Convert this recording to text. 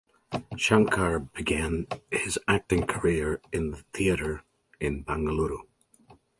Shankar began his acting career in theatre in Bengaluru.